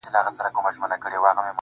دا له هغه مرورو مرور دی~